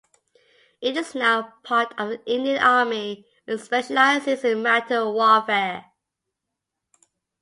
It is now part of the Indian Army and specialises in mountain warfare.